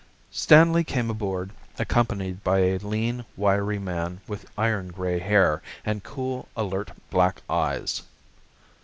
Stanley came aboard accompanied by a lean, wiry man with iron gray hair and cool, alert black eyes.